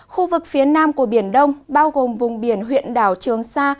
khu vực phía nam của biển đông bao gồm vùng biển huyện đảo trường sa